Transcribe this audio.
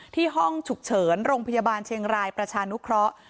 ห้องฉุกเฉินโรงพยาบาลเชียงรายประชานุเคราะห์